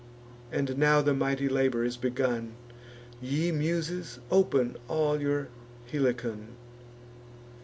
And now the mighty labour is begun Ye Muses, open all your Helicon.